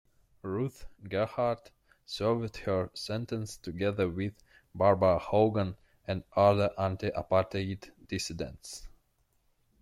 Ruth Gerhardt served her sentence together with Barbara Hogan and other anti-apartheid dissidents.